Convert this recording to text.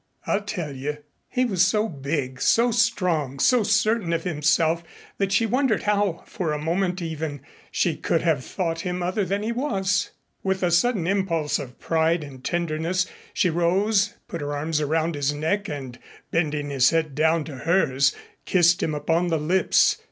I'll tell you." He was so big, so strong, so certain of himself that she wondered how, for a moment even, she could have thought him other than he was. With a sudden impulse of pride and tenderness, she rose, put her arms around his neck and bending his head down to hers kissed him upon the lips.